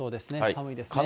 寒いですね。